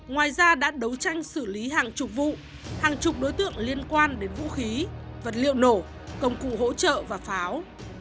ngoài ra đã đấu tranh xử lý hàng chục vụ hàng chục đối tượng liên quan đến vũ khí vật liệu nổ công cụ hỗ trợ và pháo